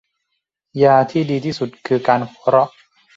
ยาที่ดีที่สุดคือการหัวเราะ